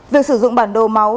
việc sử dụng bản đồ máu